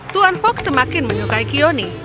tuan fogg semakin menyukai kioni